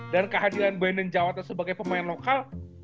dan kehadiran bwenden jawa sebagai pemain lokal